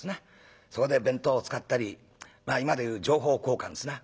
そこで弁当を使ったりまあ今で言う情報交換ですな。